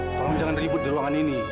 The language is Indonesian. tolong jangan ribut di ruangan ini